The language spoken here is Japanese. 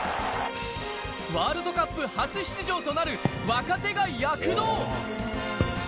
ワールドカップ初出場となる若手が躍動。